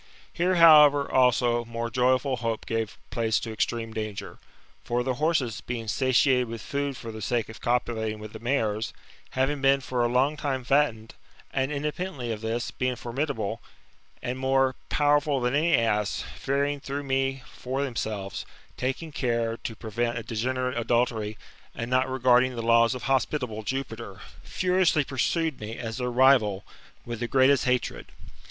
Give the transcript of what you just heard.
Here, however, also, more joyful hope gave place to extreme danger. For the horses, being satiated with food for the sake of copulating with the mares, having been for a long time fattened; and, independently of this, being formidable, and more powerful than any ass, fearing through me for themselves, taking *care to prevent a degenerate adultery, and not regarding the laws of hospitable Jupiter, furiously pursued me, as their rival, with the greatest hatred.